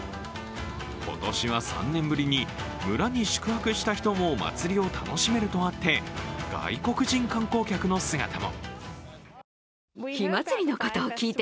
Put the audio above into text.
今年３年ぶりに村に宿泊した人も祭りを楽しめるとあって外国人観光客の姿も。